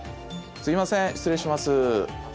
すいません、失礼します。